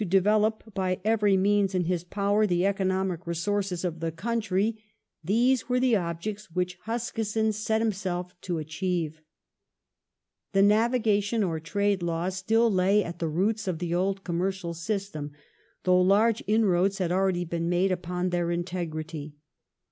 redeemable at par, at 102. 1830] THE NAVIGATION LAWS 71 resources of the country — these were the objects which Huskisson set himself to achieve. The Navigation or Trade Laws still lay at the roots of the old commercial system, though large inroads had already been made upon their integrity.